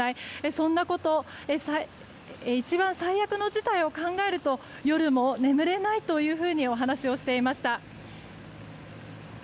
そんなことを一番最悪の事態を考えると夜も眠れないとお話をしていました。